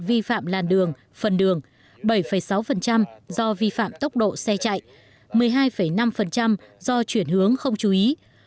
vi phạm làn đường phần đường bảy sáu do vi phạm tốc độ xe chạy một mươi hai năm do chuyển hướng không chú ý